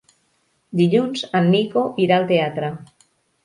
Dilluns en Nico irà al teatre.